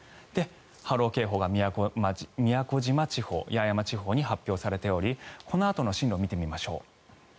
波浪警報が宮古島地方、八重山地方に発表されておりこのあとの進路見てみましょう。